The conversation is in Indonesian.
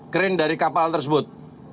keren dari kapal tersebut